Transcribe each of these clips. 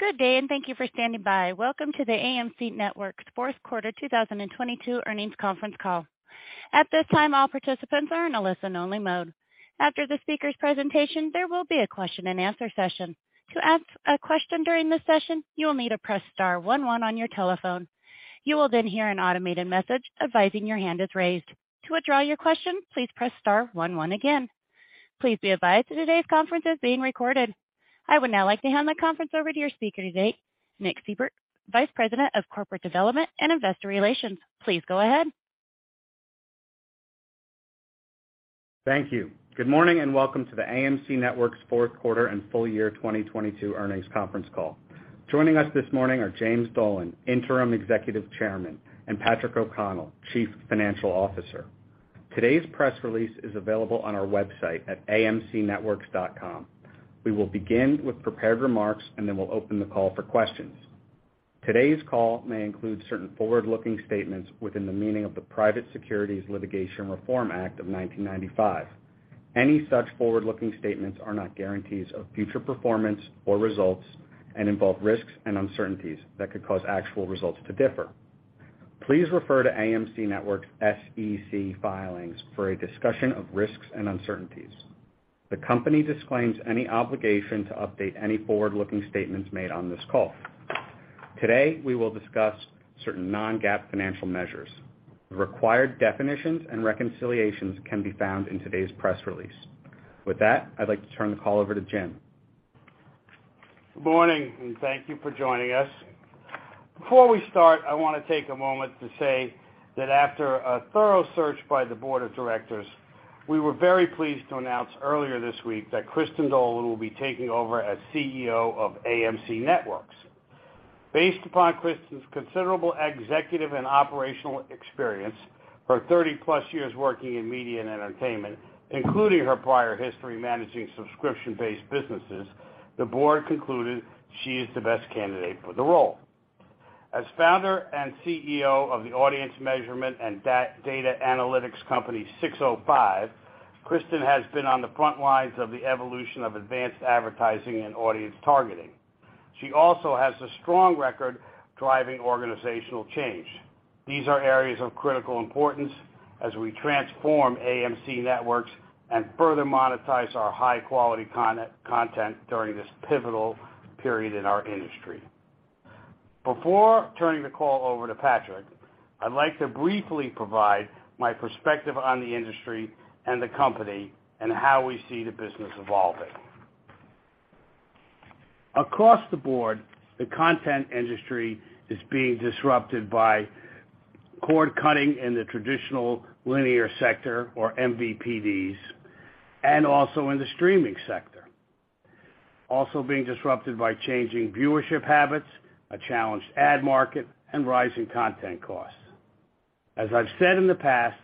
Good day, and thank you for standing by. Welcome to the AMC Networks fourth quarter 2022 earnings conference call. At this time, all participants are in a listen-only mode. After the speaker's presentation, there will be a question-and-answer session. To ask a question during this session, you will need to press star one one on your telephone. You will then hear an automated message advising your hand is raised. To withdraw your question, please press star one one again. Please be advised today's conference is being recorded. I would now like to hand the conference over to your speaker today, Nick Seibert, Vice President of Corporate Development and Investor Relations. Please go ahead. Thank you. Good morning, welcome to the AMC Networks fourth quarter and full year 2022 earnings conference call. Joining us this morning are James Dolan, Interim Executive Chairman, and Patrick O'Connell, Chief Financial Officer. Today's press release is available on our website at amcnetworks.com. We will begin with prepared remarks, then we'll open the call for questions. Today's call may include certain forward-looking statements within the meaning of the Private Securities Litigation Reform Act of 1995. Any such forward-looking statements are not guarantees of future performance or results and involve risks and uncertainties that could cause actual results to differ. Please refer to AMC Networks' SEC filings for a discussion of risks and uncertainties. The company disclaims any obligation to update any forward-looking statements made on this call. Today, we will discuss certain non-GAAP financial measures. The required definitions and reconciliations can be found in today's press release. With that, I'd like to turn the call over to Jim. Good morning, and thank you for joining us. Before we start, I wanna take a moment to say that after a thorough search by the board of directors, we were very pleased to announce earlier this week that Kristin Dolan will be taking over as CEO of AMC Networks. Based upon Kristin's considerable executive and operational experience, her 30+ years working in media and entertainment, including her prior history managing subscription-based businesses, the board concluded she is the best candidate for the role. As founder and CEO of the audience measurement and data analytics company 605, Kristin has been on the front lines of the evolution of advanced advertising and audience targeting. She also has a strong record driving organizational change. These are areas of critical importance as we transform AMC Networks and further monetize our high-quality content during this pivotal period in our industry. Before turning the call over to Patrick, I'd like to briefly provide my perspective on the industry and the company and how we see the business evolving. Across the board, the content industry is being disrupted by cord-cutting in the traditional linear sector or MVPDs and also in the streaming sector. Being disrupted by changing viewership habits, a challenged ad market, and rising content costs. As I've said in the past,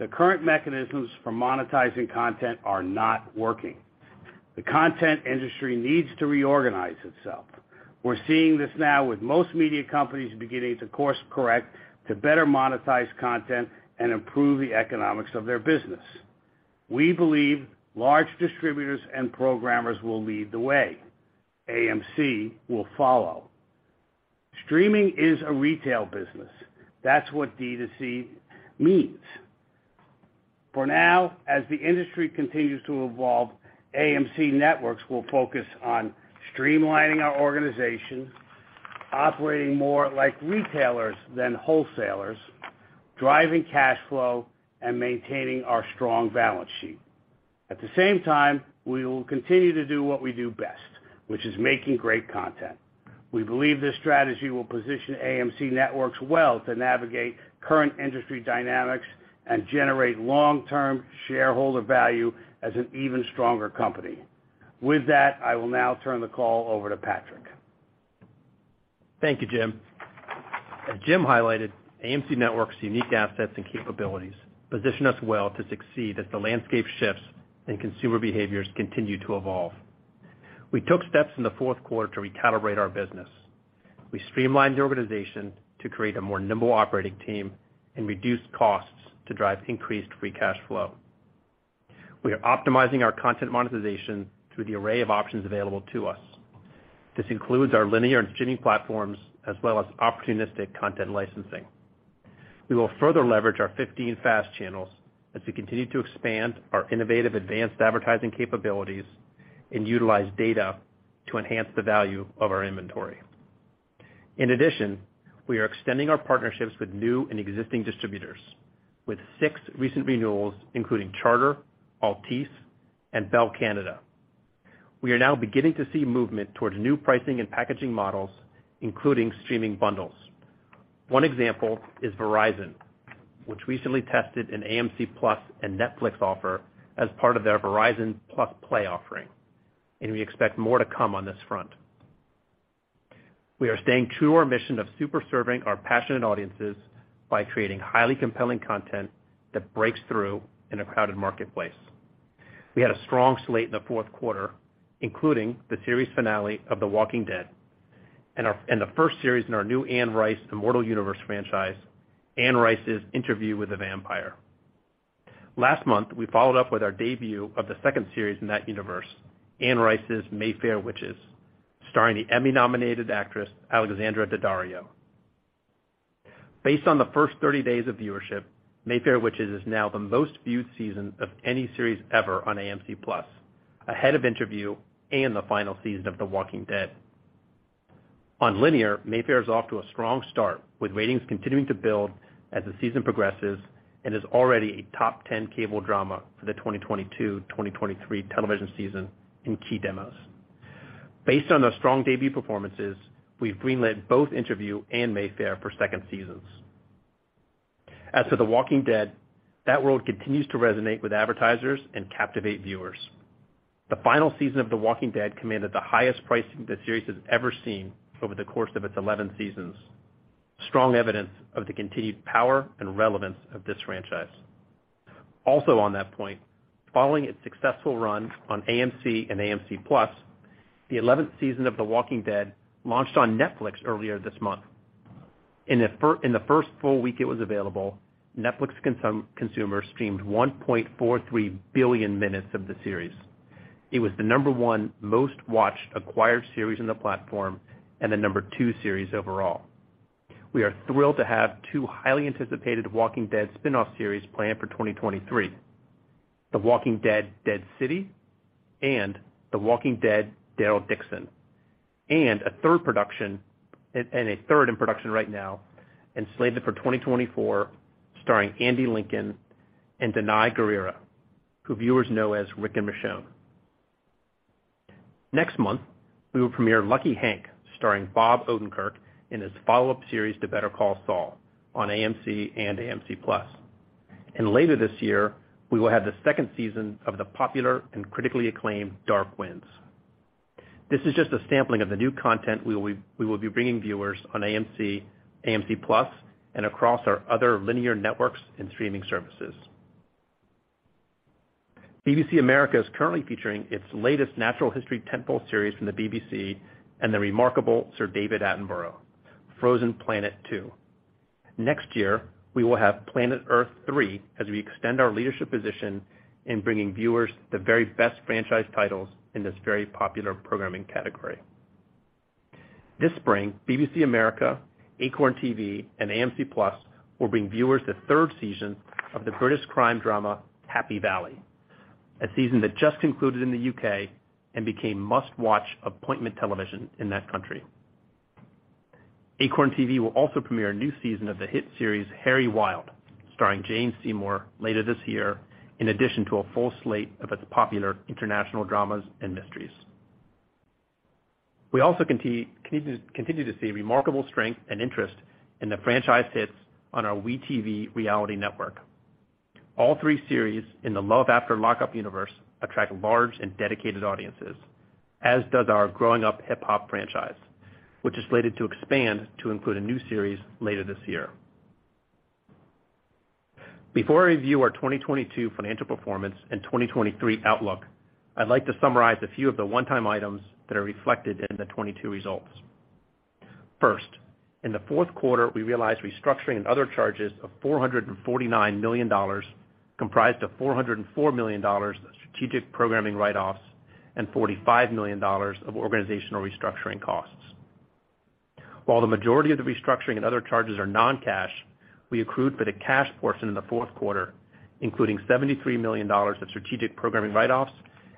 the current mechanisms for monetizing content are not working. The content industry needs to reorganize itself. We're seeing this now with most media companies beginning to course-correct to better monetize content and improve the economics of their business. We believe large distributors and programmers will lead the way. AMC will follow. Streaming is a retail business. That's what D2C means. For now, as the industry continues to evolve, AMC Networks will focus on streamlining our organization, operating more like retailers than wholesalers, driving cash flow, and maintaining our strong balance sheet. At the same time, we will continue to do what we do best, which is making great content. We believe this strategy will position AMC Networks well to navigate current industry dynamics and generate long-term shareholder value as an even stronger company. With that, I will now turn the call over to Patrick. Thank you, Jim. As Jim highlighted, AMC Networks' unique assets and capabilities position us well to succeed as the landscape shifts and consumer behaviors continue to evolve. We took steps in the fourth quarter to recalibrate our business. We streamlined the organization to create a more nimble operating team and reduced costs to drive increased free cash flow. We are optimizing our content monetization through the array of options available to us. This includes our linear and streaming platforms, as well as opportunistic content licensing. We will further leverage our 15 FAST channels as we continue to expand our innovative advanced advertising capabilities and utilize data to enhance the value of our inventory. We are extending our partnerships with new and existing distributors, with six recent renewals, including Charter, Altice, and Bell Canada. We are now beginning to see movement towards new pricing and packaging models, including streaming bundles. One example is Verizon, which recently tested an AMC+ and Netflix offer as part of their Verizon +play offering. We expect more to come on this front. We are staying true to our mission of super serving our passionate audiences by creating highly compelling content that breaks through in a crowded marketplace. We had a strong slate in the fourth quarter, including the series finale of The Walking Dead and the first series in our new Anne Rice's Immortal Universe franchise, Anne Rice's Interview with the Vampire. Last month, we followed up with our debut of the second series in that universe, Anne Rice's Mayfair Witches, starring the Emmy-nominated actress Alexandra Daddario. Based on the first 30 days of viewership, Mayfair Witches is now the most viewed season of any series ever on AMC+, ahead of Interview and the final season of The Walking Dead. On linear, Mayfair is off to a strong start, with ratings continuing to build as the season progresses, and is already a top 10 cable drama for the 2022/2023 television season in key demos. Based on those strong debut performances, we've green-lit both Interview and Mayfair for the first, second seasons. As for The Walking Dead, that world continues to resonate with advertisers and captivate viewers. The final season of The Walking Dead commanded the highest pricing the series has ever seen over the course of its 11th seasons, strong evidence of the continued power and relevance of this franchise. Also on that point, following its successful run on AMC and AMC+, the 11th season of The Walking Dead launched on Netflix earlier this month. In the first full week it was available, Netflix consumers streamed 1.43 billion minutes of the series. It was the number one most-watched acquired series on the platform and the number two series overall. We are thrilled to have two highly anticipated Walking Dead spinoff series planned for 2023, The Walking Dead: Dead City and The Walking Dead: Daryl Dixon, and a third in production right now and slated for 2024, starring Andy Lincoln and Danai Gurira, who viewers know as Rick and Michonne. Next month, we will premiere Lucky Hank, starring Bob Odenkirk in his follow-up series to Better Call Saul on AMC and AMC+. Later this year, we will have the second season of the popular and critically acclaimed Dark Winds. This is just a sampling of the new content we will be bringing viewers on AMC, AMC+ and across our other linear networks and streaming services. BBC America is currently featuring its latest natural history tentpole series from the BBC and the remarkable Sir David Attenborough, Frozen Planet II. Next year, we will have Planet Earth III as we extend our leadership position in bringing viewers the very best franchise titles in this very popular programming category. This spring, BBC America, Acorn TV, and AMC+ will bring viewers the third season of the British crime drama Happy Valley, a season that just concluded in the U.K. and became must-watch appointment television in that country. Acorn TV will also premiere a new season of the hit series Harry Wild, starring Jane Seymour, later this year, in addition to a full slate of its popular international dramas and mysteries. We also continue to see remarkable strength and interest in the franchise hits on our We TV reality network. All three series in the Love After Lockup universe attract large and dedicated audiences, as does our Growing Up Hip Hop franchise, which is slated to expand to include a new series later this year. Before I review our 2022 financial performance and 2023 outlook, I'd like to summarize a few of the one-time items that are reflected in the 2022 results. First, in the fourth quarter, we realized restructuring and other charges of $449 million, comprised of $404 million of strategic programming write-offs and $45 million of organizational restructuring costs. While the majority of the restructuring and other charges are non-cash, we accrued for the cash portion in the fourth quarter, including $73 million of strategic programming write-offs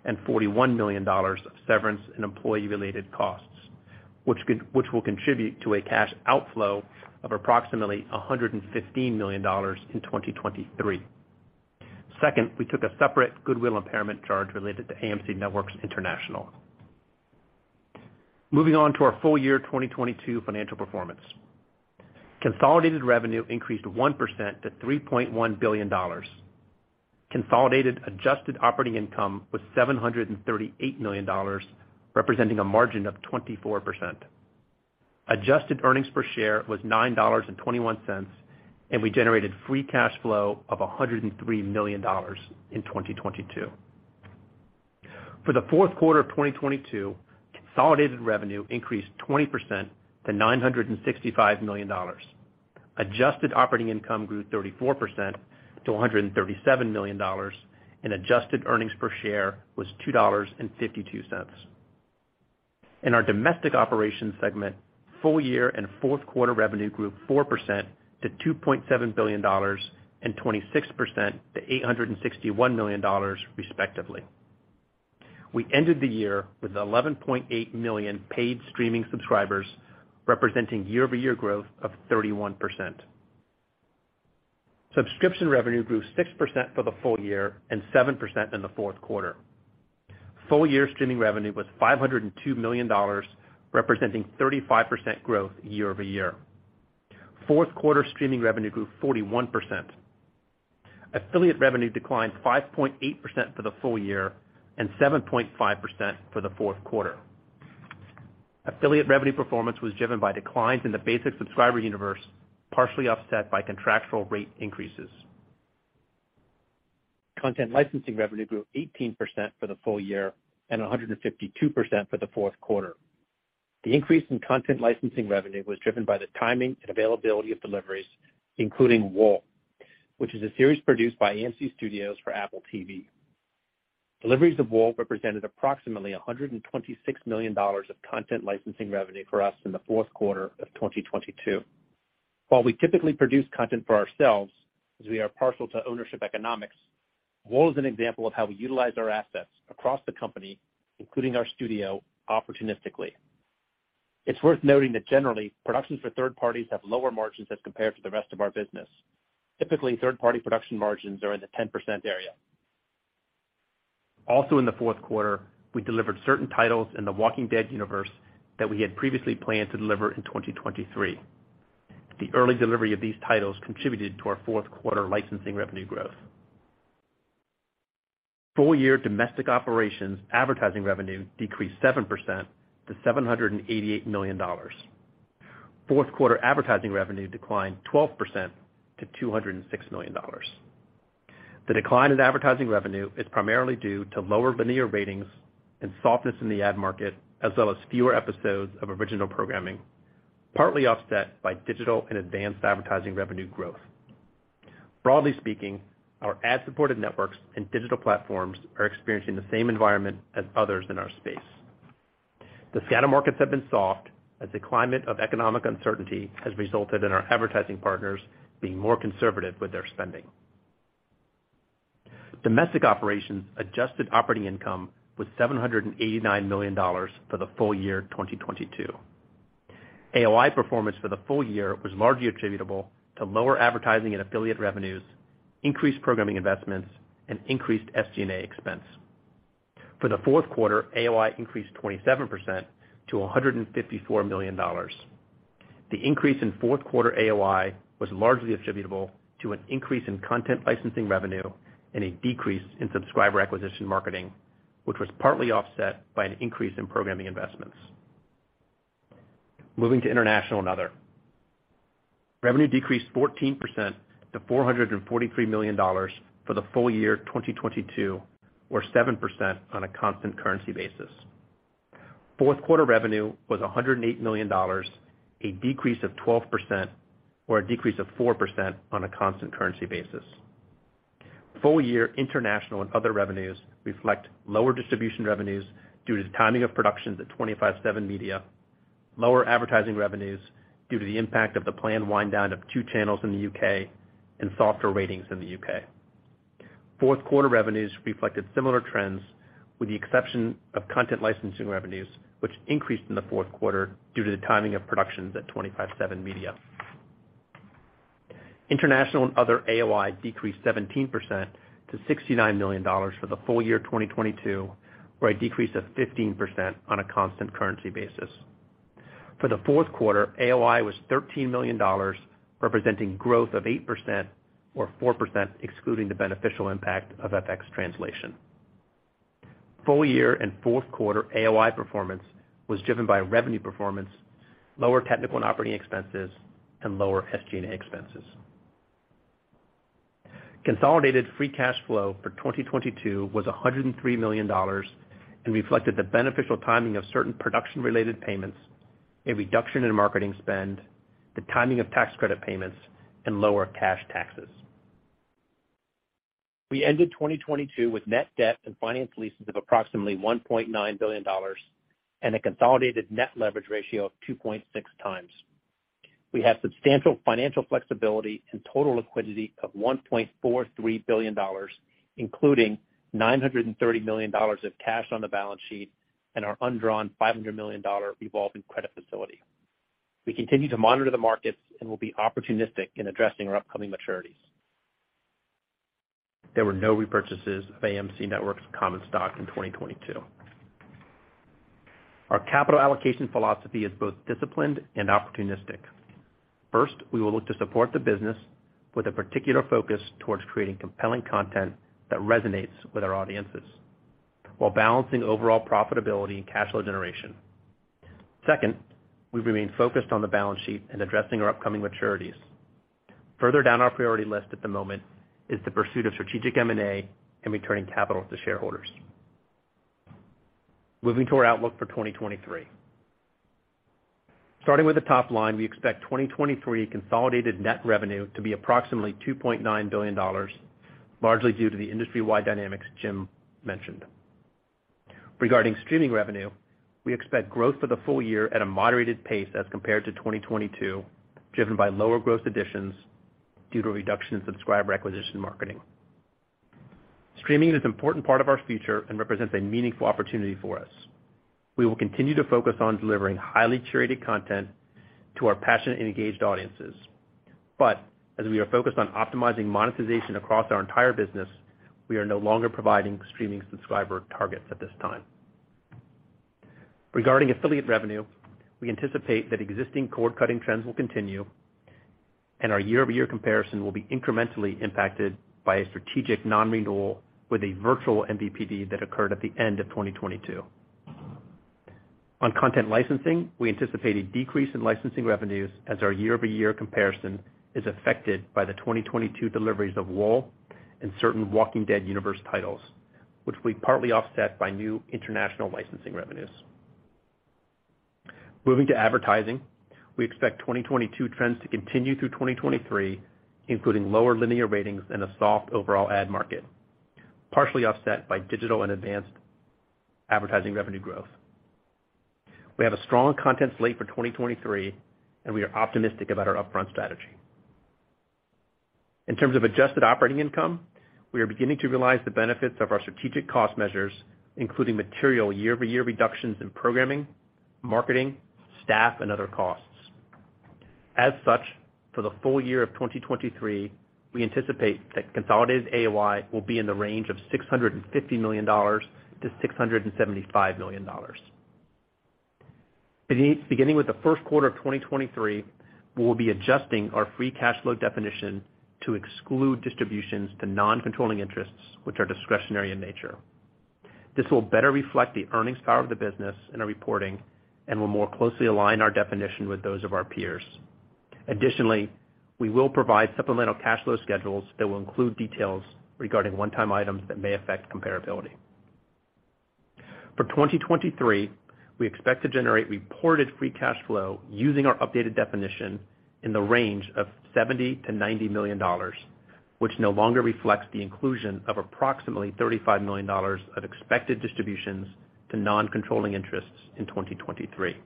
and $41 million of severance and employee-related costs, which will contribute to a cash outflow of approximately $115 million in 2023. Second, we took a separate goodwill impairment charge related to AMC Networks International. Moving on to our full year 2022 financial performance. Consolidated revenue increased 1% to $3.1 billion. Consolidated adjusted operating income was $738 million, representing a margin of 24%. Adjusted earnings per share was $9.21. We generated free cash flow of $103 million in 2022. For the fourth quarter of 2022, consolidated revenue increased 20% to $965 million. Adjusted operating income grew 34% to $137 million. Adjusted earnings per share was $2.52. In our domestic operations segment, full year and fourth quarter revenue grew 4% to $2.7 billion and 26% to $861 million, respectively. We ended the year with 11.8 million paid streaming subscribers, representing year-over-year growth of 31%. Subscription revenue grew 6% for the full year and 7% in the fourth quarter. Full year streaming revenue was $502 million, representing 35% growth year-over-year. Fourth quarter streaming revenue grew 41%. Affiliate revenue declined 5.8% for the full year and 7.5% for the fourth quarter. Affiliate revenue performance was driven by declines in the basic subscriber universe, partially offset by contractual rate increases. Content licensing revenue grew 18% for the full year and 152% for the fourth quarter. The increase in content licensing revenue was driven by the timing and availability of deliveries, including Wall, which is a series produced by AMC Studios for Apple TV. Deliveries of Wall represented approximately $126 million of content licensing revenue for us in the fourth quarter of 2022. While we typically produce content for ourselves, as we are partial to ownership economics, Wall is an example of how we utilize our assets across the company, including our studio, opportunistically. It's worth noting that generally, productions for third parties have lower margins as compared to the rest of our business. Typically, third-party production margins are in the 10% area. Also in the fourth quarter, we delivered certain titles in The Walking Dead universe that we had previously planned to deliver in 2023. The early delivery of these titles contributed to our fourth quarter licensing revenue growth. Full-year domestic operations advertising revenue decreased 7% to $788 million. Fourth quarter advertising revenue declined 12% to $206 million. The decline in advertising revenue is primarily due to lower linear ratings and softness in the ad market, as well as fewer episodes of original programming, partly offset by digital and advanced advertising revenue growth. Broadly speaking, our ad-supported networks and digital platforms are experiencing the same environment as others in our space. The Seattle markets have been soft as the climate of economic uncertainty has resulted in our advertising partners being more conservative with their spending. Domestic operations adjusted operating income was $789 million for the full year 2022. AOI performance for the full year was largely attributable to lower advertising and affiliate revenues, increased programming investments, and increased SG&A expense. For the fourth quarter, AOI increased 27% to $154 million. The increase in fourth quarter AOI was largely attributable to an increase in content licensing revenue and a decrease in subscriber acquisition marketing, which was partly offset by an increase in programming investments. Moving to international and other. Revenue decreased 14% to $443 million for the full year 2022 or 7% on a constant currency basis. Fourth quarter revenue was $108 million, a decrease of 12% or a decrease of 4% on a constant currency basis. Full year international and other revenues reflect lower distribution revenues due to the timing of productions at 25/7 Media, lower advertising revenues due to the impact of the planned wind down of two channels in the U.K. and softer ratings in the U.K. Fourth quarter revenues reflected similar trends with the exception of content licensing revenues, which increased in the fourth quarter due to the timing of productions at 25/7 Media. International and other AOI decreased 17% to $69 million for the full year 2022, or a decrease of 15% on a constant currency basis. For the fourth quarter, AOI was $13 million, representing growth of 8% or 4% excluding the beneficial impact of FX translation. Full year and fourth quarter AOI performance was driven by revenue performance, lower technical and operating expenses, and lower SG&A expenses. Consolidated free cash flow for 2022 was $103 million and reflected the beneficial timing of certain production-related payments, a reduction in marketing spend, the timing of tax credit payments, and lower cash taxes. We ended 2022 with net debt and finance leases of approximately $1.9 billion and a consolidated net leverage ratio of 2.6x. We have substantial financial flexibility and total liquidity of $1.43 billion, including $930 million of cash on the balance sheet and our undrawn $500 million revolving credit facility. We continue to monitor the markets and will be opportunistic in addressing our upcoming maturities. There were no repurchases of AMC Networks' common stock in 2022. Our capital allocation philosophy is both disciplined and opportunistic. First, we will look to support the business with a particular focus towards creating compelling content that resonates with our audiences while balancing overall profitability and cash flow generation. Second, we remain focused on the balance sheet and addressing our upcoming maturities. Further down our priority list at the moment is the pursuit of strategic M&A and returning capital to shareholders. Moving to our outlook for 2023. Starting with the top line, we expect 2023 consolidated net revenue to be approximately $2.9 billion, largely due to the industry-wide dynamics Jim mentioned. Regarding streaming revenue, we expect growth for the full year at a moderated pace as compared to 2022, driven by lower growth additions due to a reduction in subscriber acquisition marketing. Streaming is an important part of our future and represents a meaningful opportunity for us. We will continue to focus on delivering highly curated content to our passionate and engaged audiences. As we are focused on optimizing monetization across our entire business, we are no longer providing streaming subscriber targets at this time. Regarding affiliate revenue, we anticipate that existing cord-cutting trends will continue, and our year-over-year comparison will be incrementally impacted by a strategic non-renewal with a virtual MVPD that occurred at the end of 2022. On content licensing, we anticipate a decrease in licensing revenues as our year-over-year comparison is affected by the 2022 deliveries of Wall and certain The Walking Dead universe titles, which we partly offset by new international licensing revenues. Moving to advertising, we expect 2022 trends to continue through 2023, including lower linear ratings and a soft overall ad market, partially offset by digital and advanced advertising revenue growth. We have a strong content slate for 2023, and we are optimistic about our upfront strategy. In terms of adjusted operating income, we are beginning to realize the benefits of our strategic cost measures, including material year-over-year reductions in programming, marketing, staff, and other costs. As such, for the full year of 2023, we anticipate that consolidated AOI will be in the range of $650 million-$675 million. Beginning with the first quarter of 2023, we will be adjusting our free cash flow definition to exclude distributions to non-controlling interests, which are discretionary in nature. This will better reflect the earnings power of the business in our reporting and will more closely align our definition with those of our peers. Additionally, we will provide supplemental cash flow schedules that will include details regarding one-time items that may affect comparability. For 2023, we expect to generate reported free cash flow using our updated definition in the range of $70 million-$90 million, which no longer reflects the inclusion of approximately $35 million of expected distributions to non-controlling interests in 2023.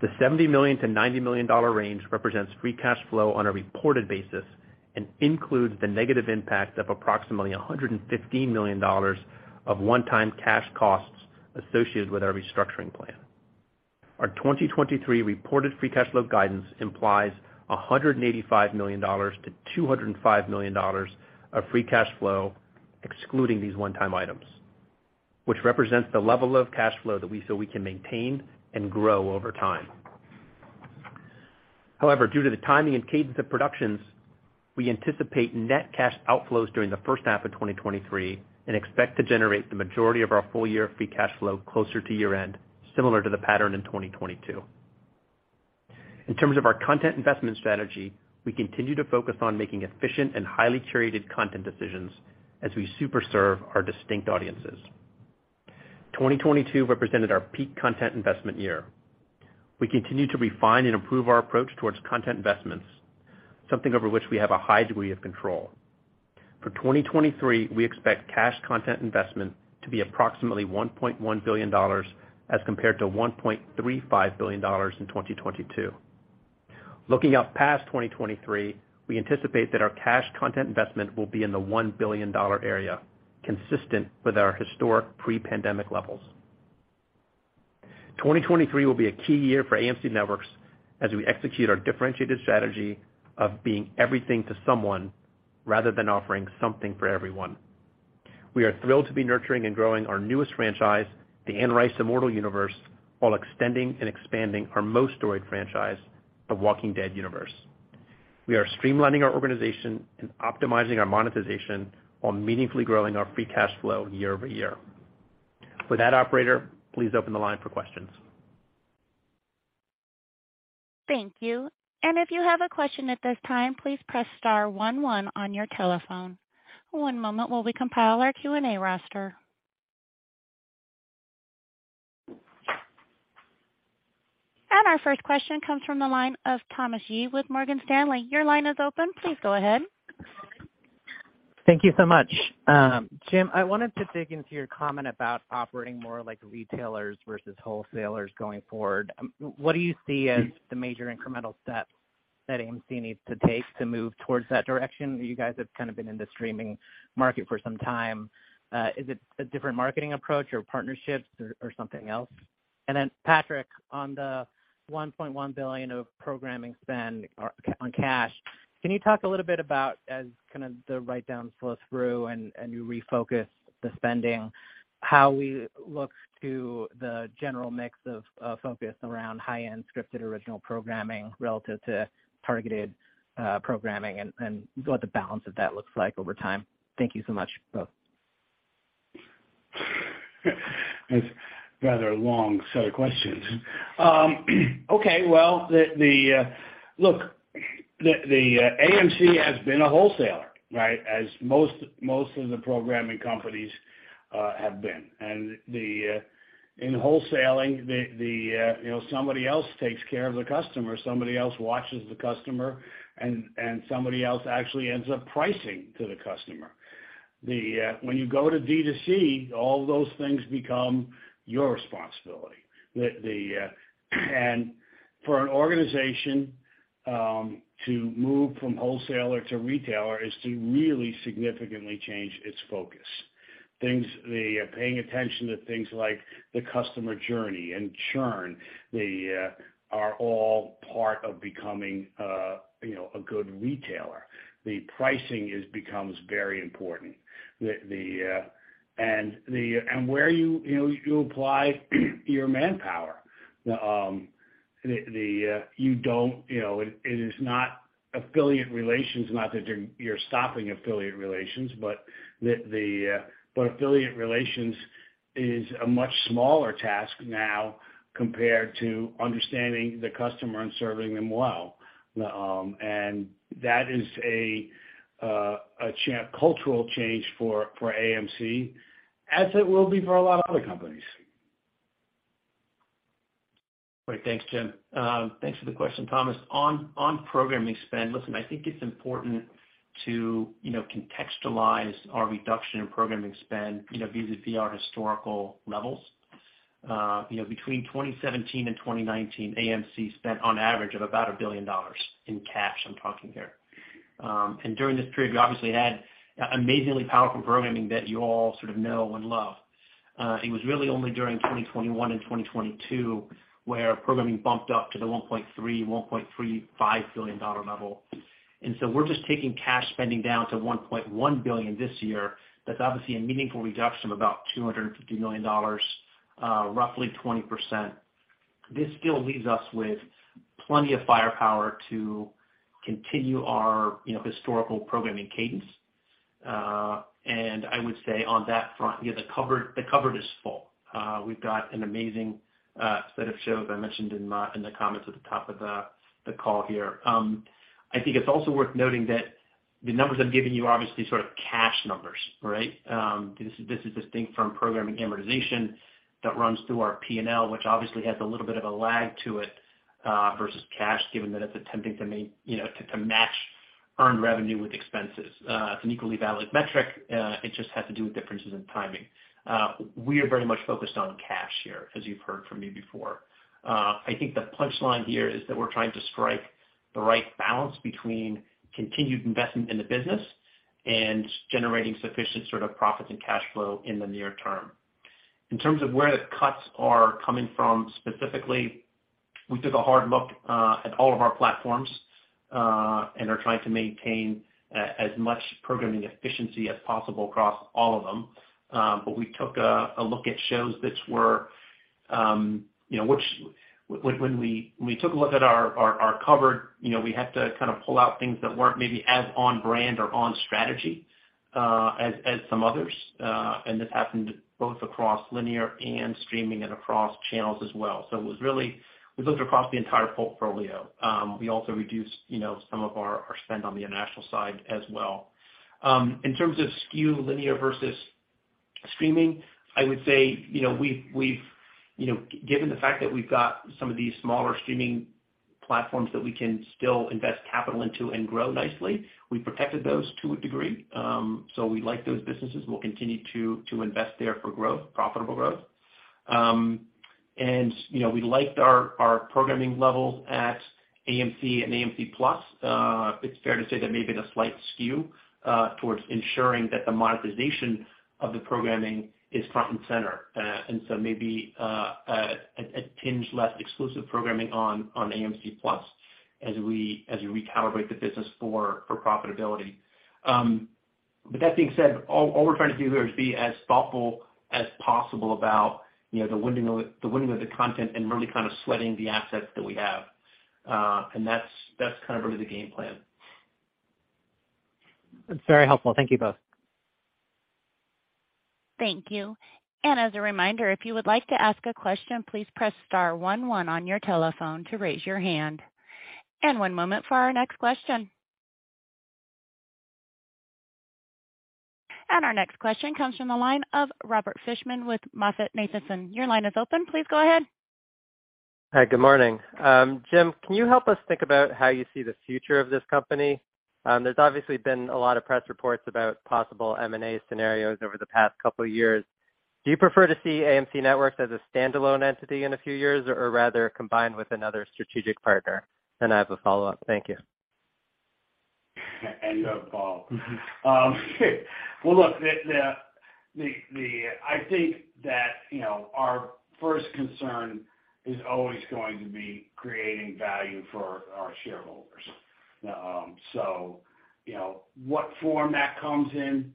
The $70 million-$90 million range represents free cash flow on a reported basis and includes the negative impact of approximately $115 million of one-time cash costs associated with our restructuring plan. Our 2023 reported free cash flow guidance implies $185 million-$205 million of free cash flow, excluding these one-time items, which represents the level of cash flow that we can maintain and grow over time. However, due to the timing and cadence of productions, we anticipate net cash outflows during the first half of 2023 and expect to generate the majority of our full-year free cash flow closer to year-end, similar to the pattern in 2022. In terms of our content investment strategy, we continue to focus on making efficient and highly curated content decisions as we super serve our distinct audiences. 2022 represented our peak content investment year. We continue to refine and improve our approach towards content investments, something over which we have a high degree of control. For 2023, we expect cash content investment to be approximately $1.1 billion as compared to $1.35 billion in 2022. Looking out past 2023, we anticipate that our cash content investment will be in the $1 billion area, consistent with our historic pre-pandemic levels. 2023 will be a key year for AMC Networks as we execute our differentiated strategy of being everything to someone rather than offering something for everyone. We are thrilled to be nurturing and growing our newest franchise, the Anne Rice Immortal universe, while extending and expanding our most storied franchise, The Walking Dead universe. We are streamlining our organization and optimizing our monetization while meaningfully growing our free cash flow year-over-year. With that, operator, please open the line for questions. Thank you. If you have a question at this time, please press star one one on your telephone. One moment while we compile our Q&A roster. Our first question comes from the line of Thomas Yeh with Morgan Stanley. Your line is open. Please go ahead. Thank you so much. Jim, I wanted to dig into your comment about operating more like retailers versus wholesalers going forward. What do you see as the major incremental steps that AMC needs to take to move towards that direction? You guys have kind of been in the streaming market for some time. Is it a different marketing approach or partnerships or something else? Patrick, on the $1.1 billion of programming spend on cash, can you talk a little bit about as kind of the write-down flows through and you refocus the spending, how we look to the general mix of focus around high-end scripted original programming relative to targeted programming and what the balance of that looks like over time? Thank you so much, both. That's rather a long set of questions. Okay, well, the, look, the, AMC has been a wholesaler, right? As most of the programming companies have been. The, in wholesaling, the, you know, somebody else takes care of the customer, somebody else watches the customer, and somebody else actually ends up pricing to the customer. The, when you go to D2C, all those things become your responsibility. For an organization to move from wholesaler to retailer is to really significantly change its focus. The paying attention to things like the customer journey and churn are all part of becoming, you know, a good retailer. The pricing is becomes very important. Where you know, you apply your manpower. The, you don't, you know, it is not affiliate relations, not that you're stopping affiliate relations, but the, but affiliate relations. Is a much smaller task now compared to understanding the customer and serving them well. That is a cultural change for AMC as it will be for a lot of other companies. Great. Thanks, Jim. Thanks for the question, Thomas. On programming spend, listen, I think it's important to, you know, contextualize our reduction in programming spend, you know, vis-a-vis our historical levels. You know, between 2017 and 2019, AMC spent on average of about $1 billion in cash, I'm talking here. During this period, we obviously had amazingly powerful programming that you all sort of know and love. It was really only during 2021 and 2022 where programming bumped up to the $1.3 billion, $1.35 billion level. We're just taking cash spending down to $1.1 billion this year. That's obviously a meaningful reduction of about $250 million, roughly 20%. This still leaves us with plenty of firepower to continue our, you know, historical programming cadence. I would say on that front, you know, the cupboard is full. We've got an amazing set of shows I mentioned in the comments at the top of the call here. I think it's also worth noting that the numbers I'm giving you are obviously sort of cash numbers, right? This is distinct from programming amortization that runs through our P&L, which obviously has a little bit of a lag to it versus cash, given that it's attempting to you know, to match earned revenue with expenses. It's an equally valid metric. It just has to do with differences in timing. We are very much focused on cash here, as you've heard from me before. I think the punchline here is that we're trying to strike the right balance between continued investment in the business and generating sufficient sort of profits and cash flow in the near term. In terms of where the cuts are coming from specifically, we took a hard look at all of our platforms and are trying to maintain as much programming efficiency as possible across all of them. We took a look at shows that were, you know, when we took a look at our cupboard, you know, we had to kind of pull out things that weren't maybe as on brand or on strategy as some others. This happened both across linear and streaming and across channels as well. It was really we looked across the entire portfolio. We also reduced, you know, some of our spend on the international side as well. In terms of skew linear versus streaming, I would say, you know, we've, given the fact that we've got some of these smaller streaming platforms that we can still invest capital into and grow nicely, we protected those to a degree. We like those businesses. We'll continue to invest there for growth, profitable growth. You know, we liked our programming levels at AMC and AMC+. It's fair to say there may be a slight skew towards ensuring that the monetization of the programming is front and center. Maybe a tinge less exclusive programming on AMC+ as we recalibrate the business for profitability. That being said, all we're trying to do here is be as thoughtful as possible about, you know, the windowing of the content and really kind of sweating the assets that we have. That's kind of really the game plan. That's very helpful. Thank you both. Thank you. As a reminder, if you would like to ask a question, please press star one one on your telephone to raise your hand. One moment for our next question. Our next question comes from the line of Robert Fishman with MoffettNathanson. Your line is open. Please go ahead. Hi. Good morning. Jim, can you help us think about how you see the future of this company? There's obviously been a lot of press reports about possible M&A scenarios over the past couple of years. Do you prefer to see AMC Networks as a standalone entity in a few years or rather combined with another strategic partner? I have a follow-up. Thank you. And above all. Well, look, I think that, you know, our first concern is always going to be creating value for our shareholders. You know, what form that comes in,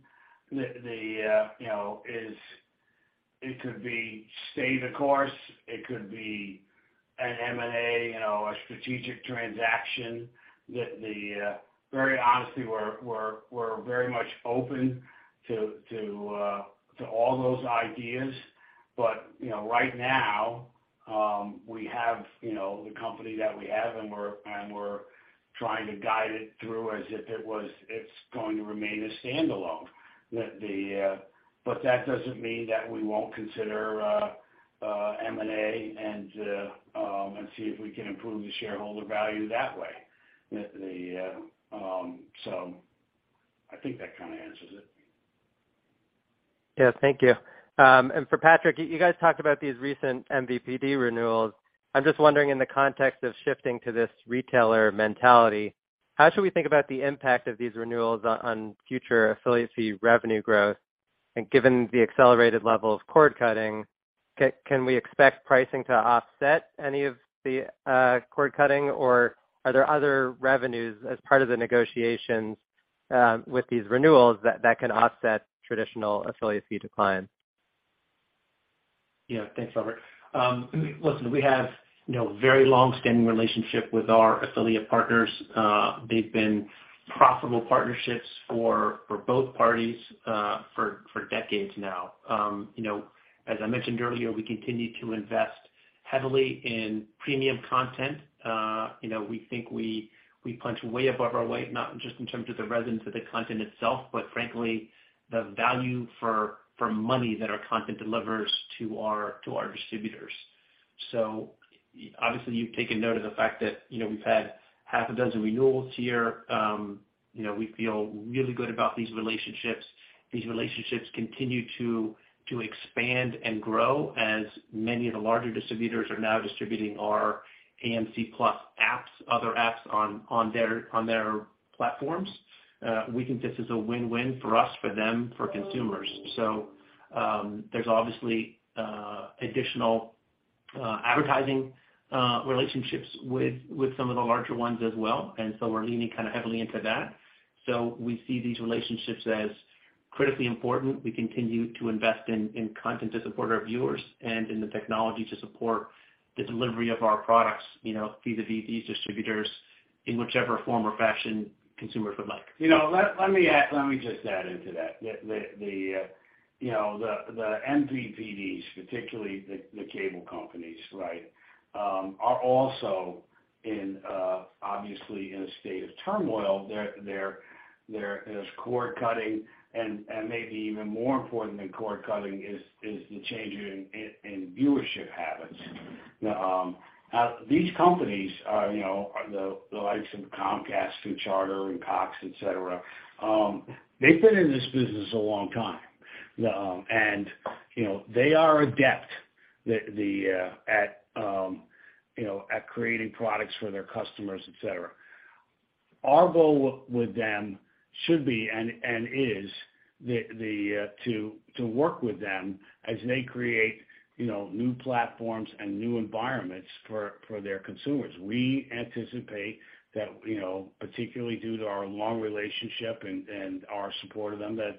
you know, is it could be stay the course, it could be an M&A, you know, a strategic transaction. Very honestly, we're very much open to all those ideas. You know, right now, we have, you know, the company that we have, and we're trying to guide it through as if it's going to remain a standalone. That doesn't mean that we won't consider M&A and see if we can improve the shareholder value that way. I think that kind of answers it. Yes. Thank you. For Patrick, you guys talked about these recent MVPD renewals. I'm just wondering in the context of shifting to this retailer mentality, how should we think about the impact of these renewals on future affiliate fee revenue growth? Given the accelerated level of cord cutting, can we expect pricing to offset any of the cord cutting, or are there other revenues as part of the negotiations with these renewals that can offset traditional affiliate fee declines? Yeah. Thanks, Robert. Listen, we have, you know, very long-standing relationship with our affiliate partners. They've been profitable partnerships for both parties for decades now. You know, as I mentioned earlier, we continue to invest heavily in premium content. You know, we think we punch way above our weight, not just in terms of the resonance of the content itself, but frankly, the value for money that our content delivers to our distributors. Obviously, you've taken note of the fact that, you know, we've had half a dozen renewals here. You know, we feel really good about these relationships. These relationships continue to expand and grow as many of the larger distributors are now distributing our AMC+ apps, other apps on their platforms. We think this is a win-win for us, for them, for consumers. There's obviously additional advertising relationships with some of the larger ones as well, we're leaning kind of heavily into that. We see these relationships as critically important. We continue to invest in content to support our viewers and in the technology to support the delivery of our products, you know, vis-à-vis these distributors in whichever form or fashion consumers would like. You know, let me just add into that. The, you know, the MVPDs, particularly the cable companies, right, are also in obviously in a state of turmoil. There is cord cutting and maybe even more important than cord cutting is the change in viewership habits. These companies are, you know, the likes of Comcast and Charter and Cox, et cetera, they've been in this business a long time. You know, they are adept at, you know, at creating products for their customers, et cetera. Our goal with them should be and is to work with them as they create, you know, new platforms and new environments for their consumers. We anticipate that, you know, particularly due to our long relationship and our support of them, that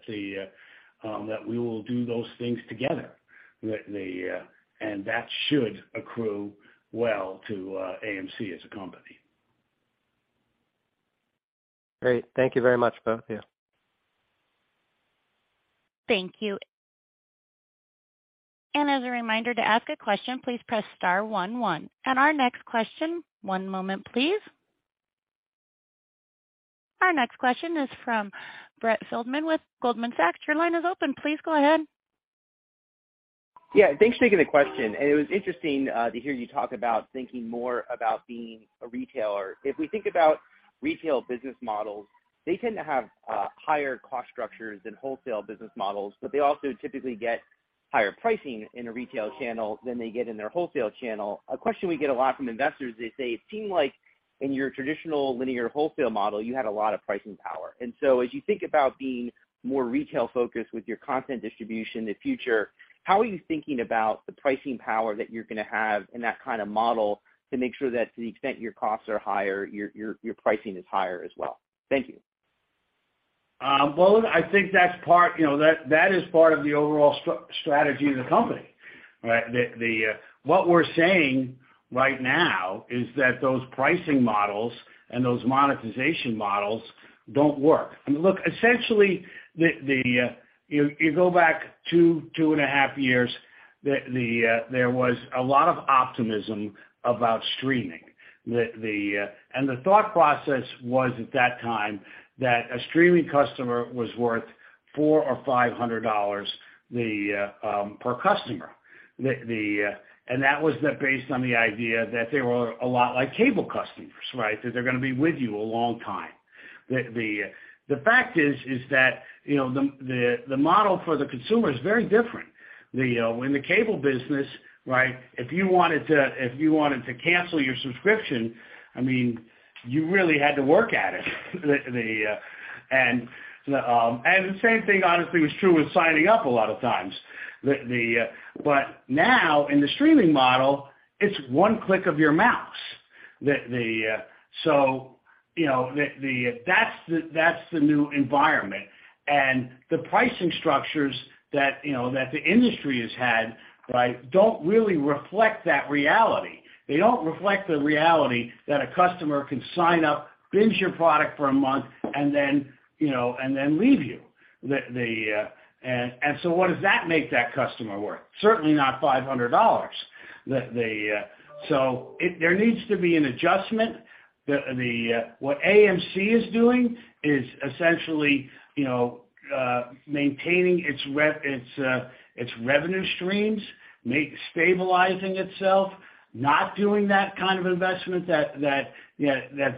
we will do those things together. That should accrue well to AMC as a company. Great. Thank you very much, both of you. Thank you. As a reminder, to ask a question, please press star one one. Our next question. One moment, please. Our next question is from Brett Feldman with Goldman Sachs. Your line is open. Please go ahead. Yeah, thanks for taking the question. It was interesting, to hear you talk about thinking more about being a retailer. If we think about retail business models, they tend to have, higher cost structures than wholesale business models, but they also typically get higher pricing in a retail channel than they get in their wholesale channel. A question we get a lot from investors, they say it seemed like in your traditional linear wholesale model, you had a lot of pricing power. As you think about being more retail-focused with your content distribution in the future, how are you thinking about the pricing power that you're gonna have in that kind of model to make sure that to the extent your costs are higher, your, your pricing is higher as well? Thank you. Well, I think that's part, you know, that is part of the overall strategy of the company, right? What we're saying right now is that those pricing models and those monetization models don't work. I mean, look, essentially, you go back 2.5 years, there was a lot of optimism about streaming. The thought process was at that time that a streaming customer was worth $400 or $500 per customer. That was based on the idea that they were a lot like cable customers, right? That they're gonna be with you a long time. The fact is that, you know, the model for the consumer is very different. In the cable business, right? If you wanted to cancel your subscription, I mean, you really had to work at it. The same thing honestly was true with signing up a lot of times. Now in the streaming model, it's one click of your mouse. You know, that's the new environment and the pricing structures that, you know, that the industry has had, right? Don't really reflect that reality. They don't reflect the reality that a customer can sign up, binge your product for a month, and then, you know, and then leave you. What does that make that customer worth? Certainly not $500. There needs to be an adjustment. What AMC is doing is essentially, you know, maintaining its revenue streams, stabilizing itself, not doing that kind of investment that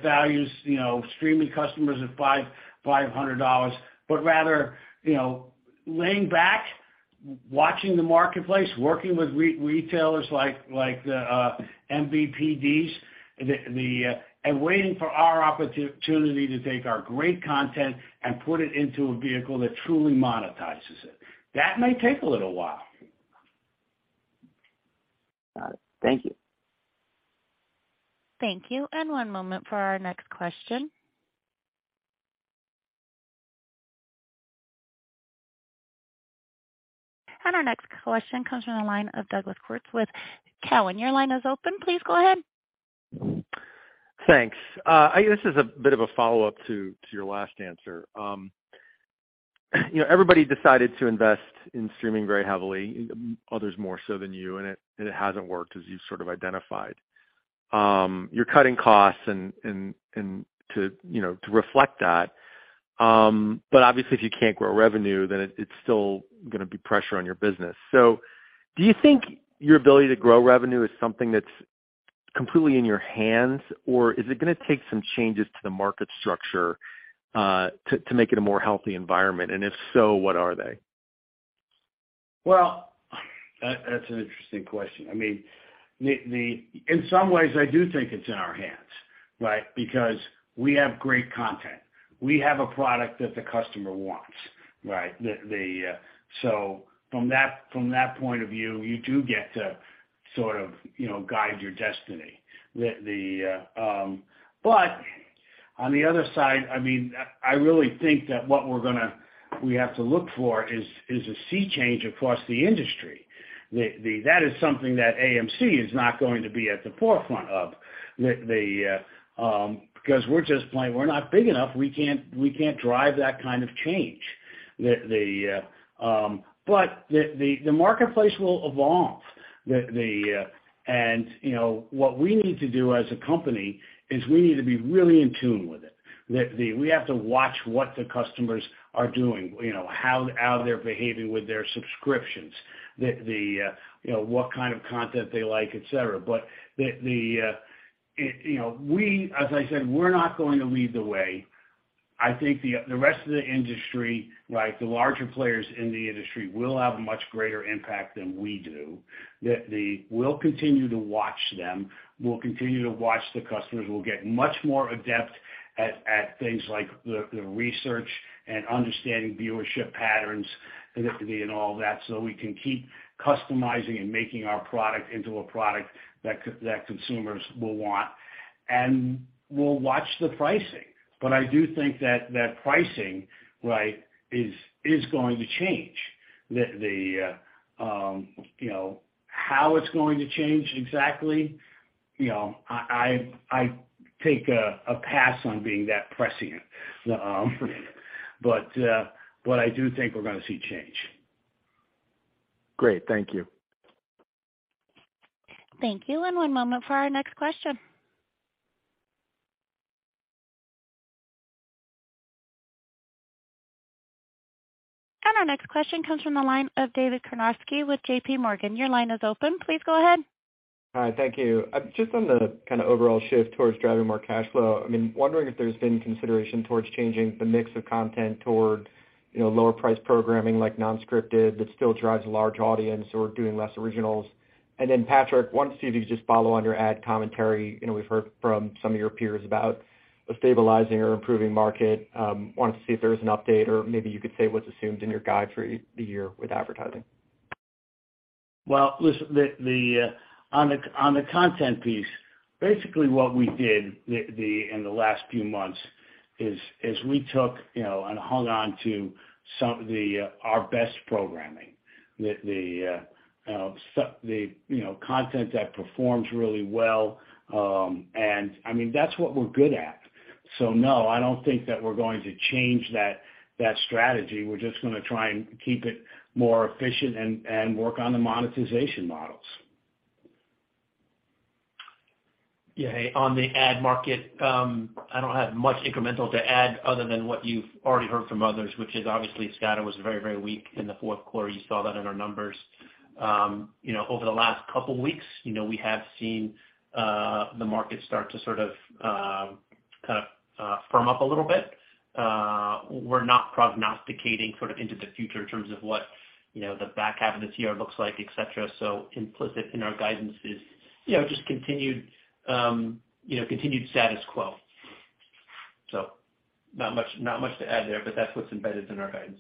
values, you know, streaming customers at $500. Rather, you know, laying back, watching the marketplace, working with re-retailers like the MVPDs and waiting for our opportunity to take our great content and put it into a vehicle that truly monetizes it. That may take a little while. Got it. Thank you. Thank you. One moment for our next question. Our next question comes from the line of Douglas Creutz with Cowen. Your line is open. Please go ahead. Thanks. I think this is a bit of a follow-up to your last answer. You know, everybody decided to invest in streaming very heavily, others more so than you, and it, and it hasn't worked, as you sort of identified. You're cutting costs and to, you know, to reflect that. Obviously, if you can't grow revenue, then it's still gonna be pressure on your business. Do you think your ability to grow revenue is something that's completely in your hands, or is it gonna take some changes to the market structure to make it a more healthy environment? If so, what are they? Well, that's an interesting question. I mean, in some ways, I do think it's in our hands, right? We have great content. We have a product that the customer wants, right? From that point of view, you do get to sort of, you know, guide your destiny. On the other side, I mean, I really think that what we have to look for is a sea change across the industry. That is something that AMC is not going to be at the forefront of. We're just plain, we're not big enough, we can't drive that kind of change. The marketplace will evolve. You know, what we need to do as a company is we need to be really in tune with it. The, we have to watch what the customers are doing, you know, how they're behaving with their subscriptions. The, you know, what kind of content they like, et cetera. The, you know, we as I said, we're not going to lead the way. I think the rest of the industry, right, the larger players in the industry will have a much greater impact than we do. The, we'll continue to watch them. We'll continue to watch the customers. We'll get much more adept at things like the research and understanding viewership patterns, and it could be and all that, so we can keep customizing and making our product into a product that consumers will want. We'll watch the pricing. I do think that that pricing, right, is going to change. The, you know, how it's going to change exactly, you know, I take a pass on being that prescient. I do think we're gonna see change. Great. Thank you. Thank you. One moment for our next question. Our next question comes from the line of David Karnovsky with J.P. Morgan. Your line is open. Please go ahead. Hi. Thank you. Just on the kinda overall shift towards driving more cash flow, I mean, wondering if there's been consideration towards changing the mix of content toward, you know, lower priced programming like non-scripted that still drives a large audience or doing less originals. Then, Patrick, wanted to see if you could just follow on your ad commentary. You know, we've heard from some of your peers about a stabilizing or improving market. Wanted to see if there was an update or maybe you could say what's assumed in your guide for the year with advertising. Well, listen, the, on the, on the content piece, basically what we did in the last few months is we took, you know, and hung on to some our best programming. The, you know, content that performs really well. I mean, that's what we're good at. No, I don't think that we're going to change that strategy. We're just gonna try and keep it more efficient and work on the monetization models. Yeah. On the ad market, I don't have much incremental to add other than what you've already heard from others, which is obviously scatter was very weak in the fourth quarter. You saw that in our numbers. you know, over the last couple weeks, you know, we have seen the market start to firm up a little bit. We're not prognosticating into the future in terms of what, you know, the back half of this year looks like, et cetera. Implicit in our guidance is, you know, just continued status quo. Not much to add there, but that's what's embedded in our guidance.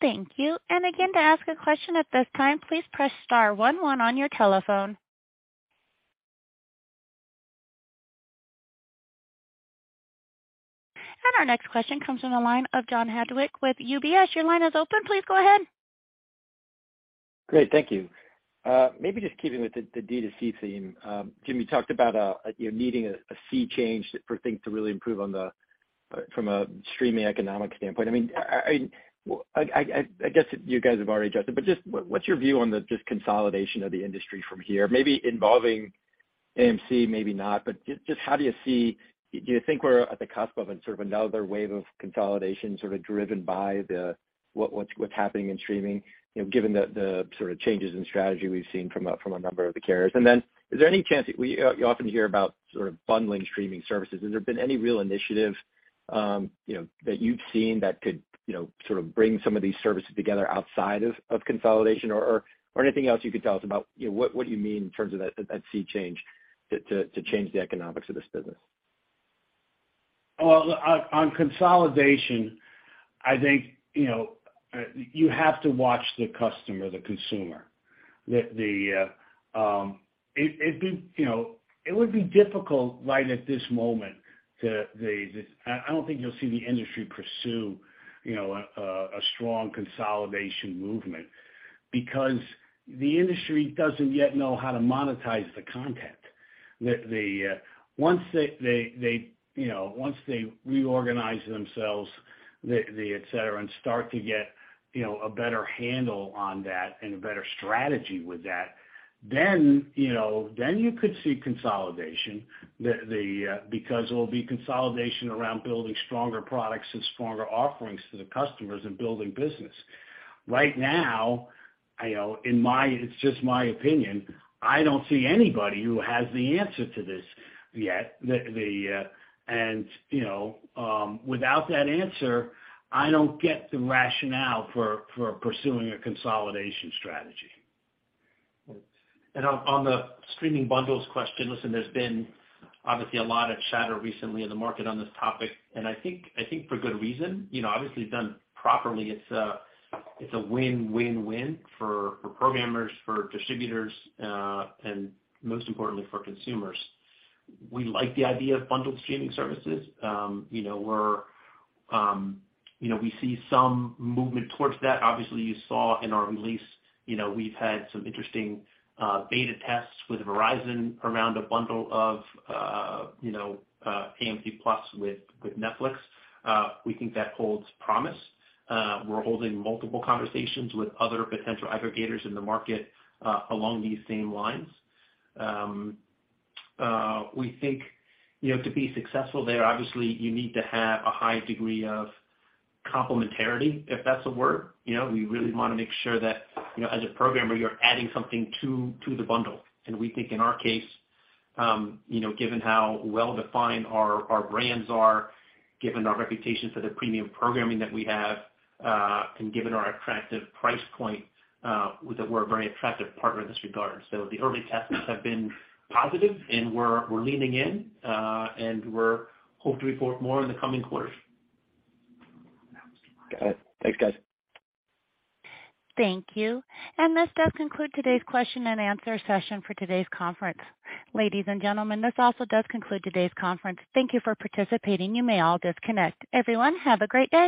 Thank you. Again, to ask a question at this time, please press star one one on your telephone. Our next question comes from the line of John Hodulik with UBS. Your line is open. Please go ahead. Great. Thank you. Maybe just keeping with the D2C theme. Jim, you talked about, you know, needing a sea change for things to really improve on the from a streaming economic standpoint. I mean, I guess you guys have already addressed it, but just what's your view on the just consolidation of the industry from here? Maybe involving AMC, maybe not. Just how do you see... Do you think we're at the cusp of a sort of another wave of consolidation, sort of driven by what's happening in streaming, you know, given the sort of changes in strategy we've seen from a, from a number of the carriers? Is there any chance that you often hear about sort of bundling streaming services. Has there been any real initiative, you know, that you've seen that could, you know, sort of bring some of these services together outside of consolidation or anything else you could tell us about, you know, what do you mean in terms of that sea change to change the economics of this business? Well, on consolidation, I think, you know, you have to watch the customer, the consumer. The. It'd be, you know, it would be difficult right at this moment to. I don't think you'll see the industry pursue, you know, a strong consolidation movement because the industry doesn't yet know how to monetize the content. The. Once they, you know, once they reorganize themselves, the etc., and start to get, you know, a better handle on that and a better strategy with that, then, you know, then you could see consolidation. It will be consolidation around building stronger products and stronger offerings to the customers and building business. Right now, you know, in my. It's just my opinion, I don't see anybody who has the answer to this yet. You know, without that answer, I don't get the rationale for pursuing a consolidation strategy. On the streaming bundles question, listen, there's been obviously a lot of chatter recently in the market on this topic, and I think for good reason. You know, obviously, if done properly, it's a win-win-win for programmers, for distributors, and most importantly, for consumers. We like the idea of bundled streaming services. You know, we're, you know, we see some movement towards that. Obviously, you saw in our release, you know, we've had some interesting beta tests with Verizon around a bundle of, you know, AMC+ with Netflix. We think that holds promise. We're holding multiple conversations with other potential aggregators in the market along these same lines. We think, you know, to be successful there, obviously you need to have a high degree of complementarity, if that's a word. You know, we really wanna make sure that, you know, as a programmer, you're adding something to the bundle. We think in our case, you know, given how well-defined our brands are, given our reputation for the premium programming that we have, and given our attractive price point, that we're a very attractive partner in this regard. The early tests have been positive, and we're leaning in, and we're hope to report more in the coming quarters. Got it. Thanks, guys. Thank you. This does conclude today's question and answer session for today's conference. Ladies and gentlemen, this also does conclude today's conference. Thank you for participating. You may all disconnect. Everyone, have a great day.